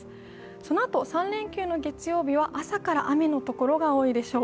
そのあと、３連休の月曜日は朝から雨のところが多いでしょう。